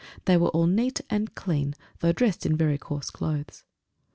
They were all neat and clean, though dressed in very coarse clothes.